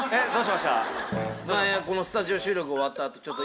前このスタジオ収録終わった後。